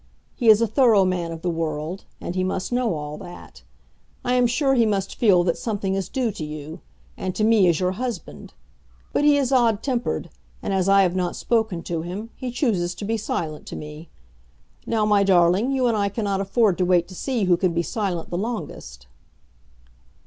He is a thorough man of the world, and he must know all that. I am sure he must feel that something is due to you, and to me as your husband. But he is odd tempered, and, as I have not spoken to him, he chooses to be silent to me. Now, my darling, you and I cannot afford to wait to see who can be silent the longest."